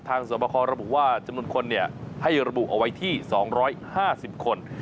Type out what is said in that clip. ทางสำหรับคอระบุว่าจำนวนคนเนี่ยให้ระบุเอาไว้ที่๒๕๐คน